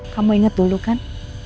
kamu inget dulu kan